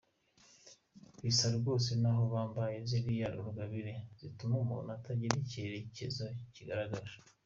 Bisa rwose n’aho bambaye ziriya rugabire zituma umuntu atagira icyerekezo kigaragara.